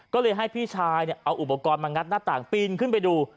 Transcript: ก็เลยให้พี่ชายเอาอุปกรณ์มางัดหน้าต่างปีนขึ้นไปดู